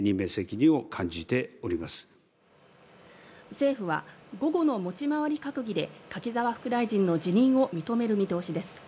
政府は午後の持ち回り閣議で柿沢副大臣の辞任を認める方針です。